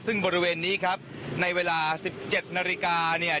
ซึ่งบริเวณนี้ครับในเวลา๑๗นาฬิกาเนี่ย